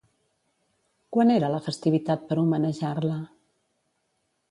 Quan era la festivitat per homenejar-la?